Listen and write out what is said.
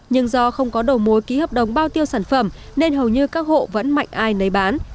nhưng do không có đầu mối ký hợp đồng bao tiêu sản phẩm nên hầu như các hộ vẫn mạnh ai nấy bán